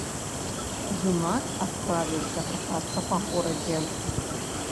Юнак адправіўся катацца па горадзе.